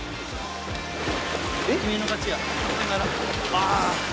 ああ！